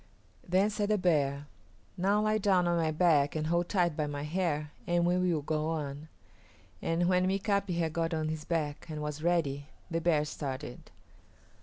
Then said the bear, "Now lie down on my back and hold tight by my hair and we will go on"; and when Mika´pi had got on his back and was ready the bear started.